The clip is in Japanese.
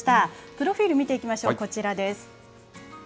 プロフィール、見ていきましょう、こちらです。